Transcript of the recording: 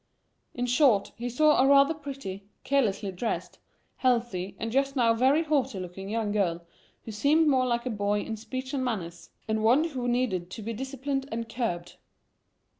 In short, he saw a rather pretty, carelessly dressed, healthy, and just now very haughty looking young girl, who seemed more like a boy in speech and manners, and one who needed to be disciplined and curbed.